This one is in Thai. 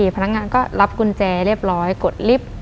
พนักงานก็รับกุญแจเรียบร้อยกดลิฟต์